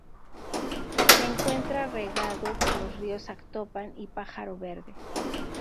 Se encuentra regado por los ríos Actopan y Pájaro Verde.